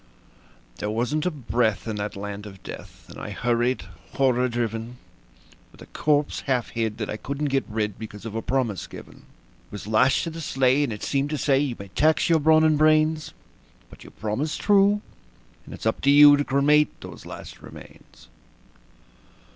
There wasn't a breath in that land of death, and I hurried, horror driven, With a corpse half hid that I couldn't get rid, because of a promise given; It was lashed to the sleigh, and it seemed to say: "You may tax your brawn and brains, But you promised true, and it's up to you to cremate those last remains."